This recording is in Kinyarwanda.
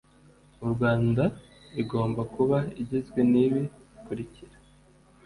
mu rwanda igomba kuba igizwe n ibi bikurikira